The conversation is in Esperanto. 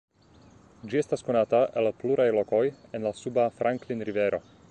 Ĝi estas konata el pluraj lokoj en la suba Franklin Rivero.